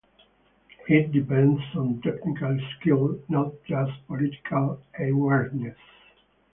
It depends on technical skill, not just political awareness.